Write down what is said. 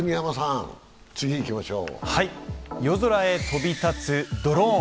夜空へ飛び立つドローン。